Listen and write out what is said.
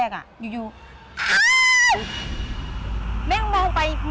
ทำไม